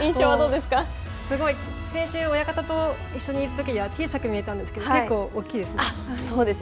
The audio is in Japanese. すごい、先週、親方と一緒にいるときには小さく見えたんですけれども、結構大きいですね。